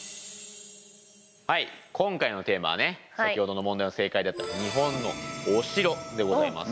はい今回のテーマはね先ほどの問題の正解であった日本のお城でございます。